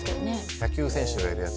野球選手がやるやつ。